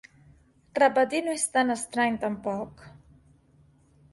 Repetir no és tan estrany, tampoc.